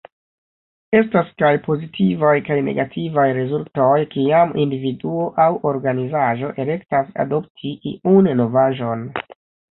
Estas kaj pozitivaj kaj negativaj rezultoj kiam individuo aŭ organizaĵo elektas adopti iun novaĵon.